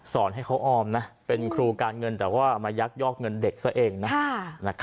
ให้เขาออมนะเป็นครูการเงินแต่ว่ามายักยอกเงินเด็กซะเองนะ